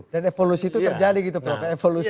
dan evolusi itu terjadi gitu pak